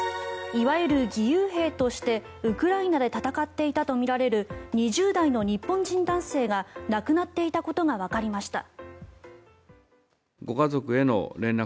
いわゆる義勇兵としてウクライナで戦っていたとみられる２０代の日本人男性が亡くなっていたことがわかりました。